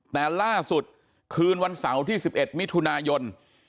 แต่ล่าสุดคืนวันเสาร์ที่๑๑มิถุนายน